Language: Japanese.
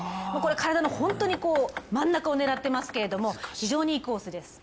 体の本当に真ん中を狙っていますけど、非常にいいコースです。